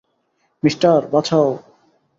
Mister, Bachao!